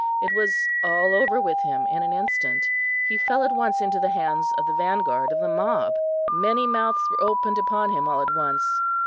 It was all over with him in an instant; he fell at once into the hands of the vanguard of the mob. Many mouths were opened upon him all at once.